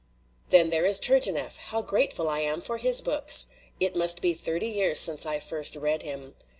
"Then there is Turgemeff how grateful I am for his books ! It must be thirty years since I first read him.